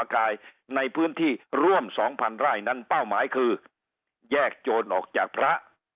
กายในพื้นที่ร่วม๒๐๐ไร่นั้นเป้าหมายคือแยกโจรออกจากพระ